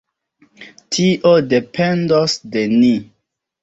Tio dependos de ni!